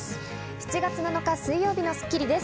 ７月７日、水曜日の『スッキリ』です。